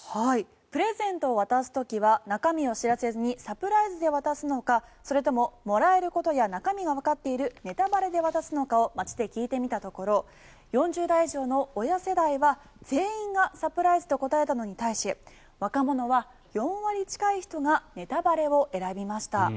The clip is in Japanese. プレゼントを渡す時は中身を知らせずにサプライズで渡すのかそれとも、もらえることや中身がわかっているネタバレで渡すのかを街で聞いてみたところ４０代以上の親世代は全員がサプライズと答えたのに対し若者は４割近い人がネタバレを選びました。